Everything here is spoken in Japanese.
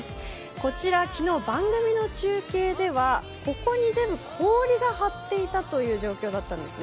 こちら昨日、番組の中継ではここに全部氷が張っていたという状況だったんですね。